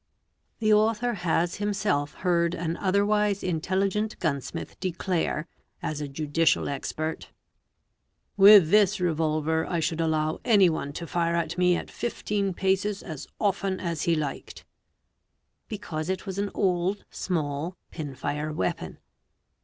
The author has himself heard an otherwise intelligent gunsmith "declare, as a judicial expert, " With this revolver I should allow anyone to fire at me at 15 paces as often 'as he liked"', because it was an old, Besa, pinfire weapon.